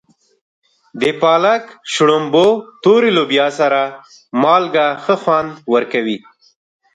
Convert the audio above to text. د پالک، شړومبو، تورې لوبیا سره مالګه ښه خوند ورکوي.